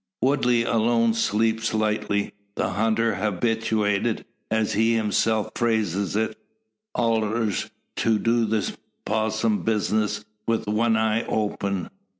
Woodley alone sleeps lightly; the hunter habituated, as he himself phrases it, "allers to do the possum bizness, wi' one eye open."